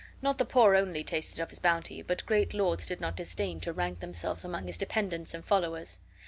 Not the poor only tasted of his bounty, but great lords did not disdain to rank themselves among his dependents and followers.